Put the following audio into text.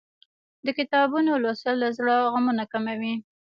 د کتابونو لوستل له زړه غمونه کموي.